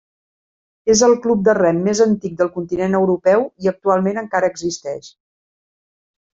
És el club de rem més antic del continent europeu i actualment encara existeix.